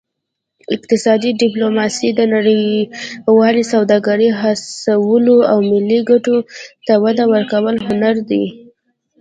اقتصادي ډیپلوماسي د نړیوالې سوداګرۍ هڅولو او ملي ګټو ته وده ورکولو هنر دی